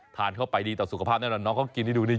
ทานเข้าไปดีต่อสุขภาพแน่นอนน้องเขากินให้ดูนี่